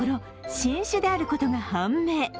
新種であることが判明。